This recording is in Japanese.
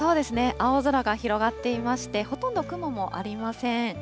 青空が広がっていまして、ほとんど雲もありません。